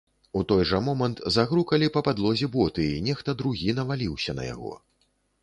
У той жа момант загрукалі па падлозе боты і нехта другі наваліўся на яго.